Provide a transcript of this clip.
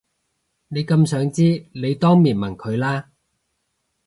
你咁想知你當面問佢啦